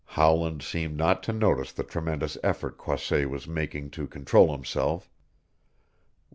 Howland seemed not to notice the tremendous effort Croisset was making to control himself.